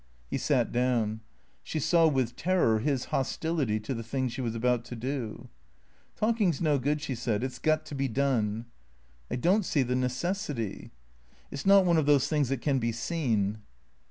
He sat down. She saw with terror his hostility to the thing she was about to do. " Talking 's no good," she said. " It 's got to be done." " I don't see the necessity." " It 's not one of those things that can be seen."